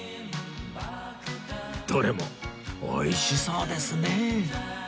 どれも美味しそうですね